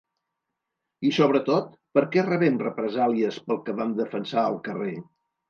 I sobretot, per què rebem represàlies pel que vam defensar al carrer?